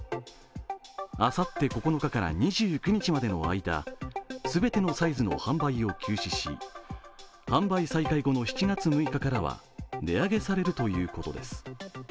あさって９日から２９日までの間、全てのサイズの販売を休止し販売再開後の７月６日からは値上げされるということです。